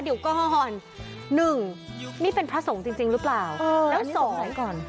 เดี๋ยวก่อนหนึ่งนี่เป็นพระสงฆ์จริงจริงหรือเปล่าแล้วสองก่อน